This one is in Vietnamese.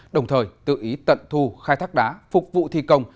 đồng thời tự ý tận thu khai thác đá phục vụ thi công